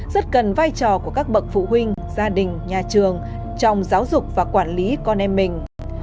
rất cần vai trò của các bậc phụ huynh gia đình nhà trường trong giáo dục và quản lý con em mình